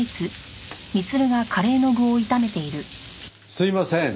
すいません。